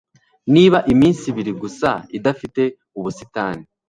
niba iminsi ibiri gusa, idafite ubusitani